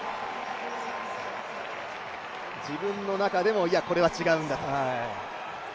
自分の中でもこれは違うんだと。